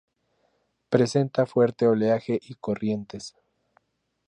Presenta fuerte oleaje y corrientes.